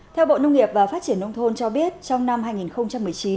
theo bộ nông nghiệp và phát triển nông thôn cho biết trong năm hai nghìn một mươi chín